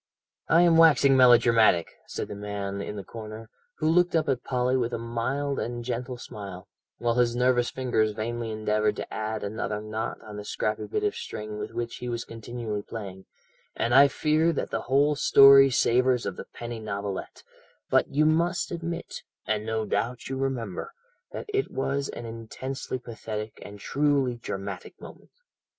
"I am waxing melodramatic," said the man in the corner, who looked up at Polly with a mild and gentle smile, while his nervous fingers vainly endeavoured to add another knot on the scrappy bit of string with which he was continually playing, "and I fear that the whole story savours of the penny novelette, but you must admit, and no doubt you remember, that it was an intensely pathetic and truly dramatic moment.